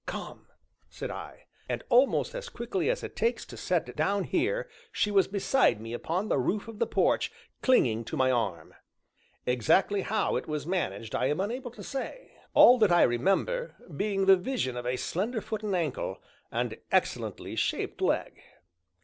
"Come," said I, and (almost as quickly as it takes to set it down here) she was beside me upon the roof of the porch, clinging to my arm. Exactly how it was managed I am unable to say; all that I remember being the vision of a slender foot and ankle, and an excellently shaped leg.